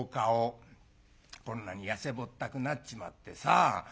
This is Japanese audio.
こんなに痩せぼったくなっちまってさ。